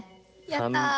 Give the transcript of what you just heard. やった！